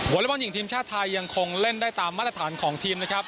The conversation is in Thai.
อเล็กบอลหญิงทีมชาติไทยยังคงเล่นได้ตามมาตรฐานของทีมนะครับ